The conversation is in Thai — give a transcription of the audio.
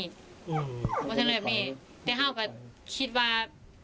ไม่เคยเชื่อเรื่องแบบนี้แต่ข้าวก็คิดว่า